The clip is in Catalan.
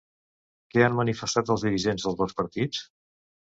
Què han manifestat els dirigents dels dos partits?